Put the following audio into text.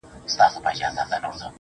په سپين لاس کي يې دی سپين سگريټ نيولی.